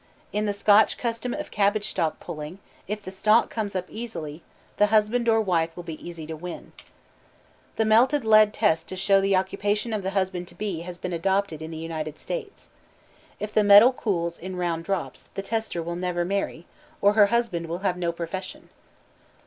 In the Scotch custom of cabbage stalk pulling, if the stalk comes up easily, the husband or wife will be easy to win. The melted lead test to show the occupation of the husband to be has been adopted in the United States. If the metal cools in round drops, the tester will never marry, or her husband will have no profession.